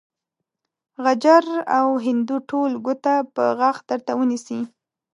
غجر او هندو ټول ګوته په غاښ درته ونيسي.